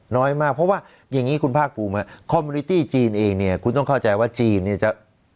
น้อยมากเพราะว่าอย่างนี้คุณภาคภูมิคอมมินิตี้จีนเองเนี่ยคุณต้องเข้าใจว่าจีนเนี่ยจะ